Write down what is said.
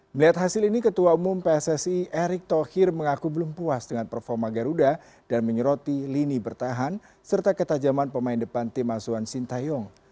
melihat hasil ini ketua umum pssi erick thohir mengaku belum puas dengan performa garuda dan menyeroti lini bertahan serta ketajaman pemain depan tim azuan sintayong